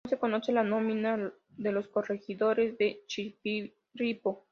No se conoce la nómina de los corregidores de Chirripó.